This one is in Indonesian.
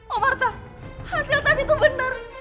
oh marta hasil tes itu bener